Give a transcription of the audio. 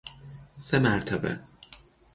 سه مرتبه